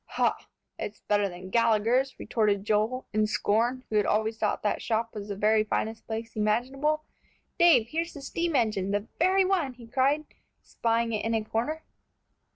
"Hoh, it's better than Gallagher's," retorted Joel, in scorn, who had always thought that shop was the very finest place imaginable. "Dave, here's the steam engine, the very one!" he cried, spying it in a corner.